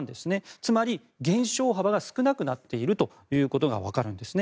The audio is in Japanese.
つまり、減少幅が少なくなっているということがわかるんですね。